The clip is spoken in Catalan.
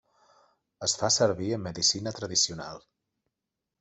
Es fa servir en medicina tradicional.